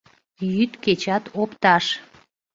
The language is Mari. Йӱд-кечат опташ